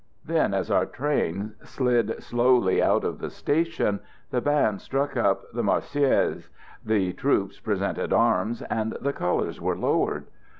Then, as our train slid slowly out of the station, the band struck up "The Marseillaise," the troops presented arms, and the colours were lowered.